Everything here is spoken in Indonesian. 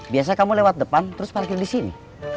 biasanya kamu lewat depan terus parkir disini